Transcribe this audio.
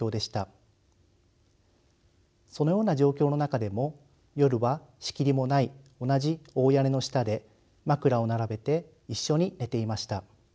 そのような状況の中でも夜は仕切りもない同じ大屋根の下で枕を並べて一緒に寝ていました。